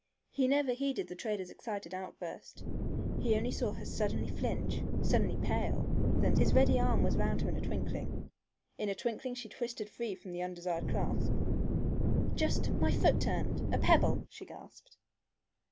He never heeded the trader's excited outburst. He only saw her suddenly flinch, suddenly pale, then sway. His ready arm was round her in a twinkling. In a twinkling she twisted free from the undesired clasp. "Just my foot turned! a pebble!" she gasped.